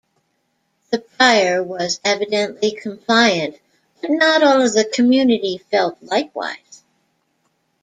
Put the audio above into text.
The prior was evidently compliant but not all of the community felt likewise.